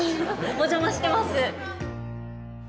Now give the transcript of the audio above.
お邪魔してます。